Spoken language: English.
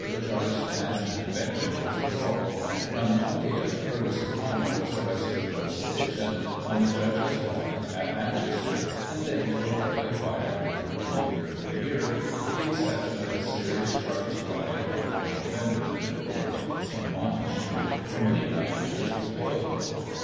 the Chartist National Convention was dissolved ; and, on the 20th Feargus O'Connor was arrested for sedition, on a Judge's Warrant, at Manchester, and things were fairly quiet during the remainder of the year, with the exception of a serious Chartist riot, on 4 Nov., at Newport, in Monmouthshire, where many rioters were killed.